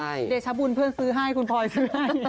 เดชบุญเพื่อนซื้อให้คุณพลอยซื้อให้